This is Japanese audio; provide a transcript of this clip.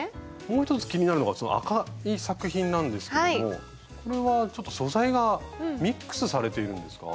もう１つ気になるのがその赤い作品なんですけどもこれはちょっと素材がミックスされているんですか？